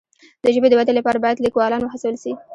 د ژبې د ودي لپاره باید لیکوالان وهڅول سي.